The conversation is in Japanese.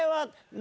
何？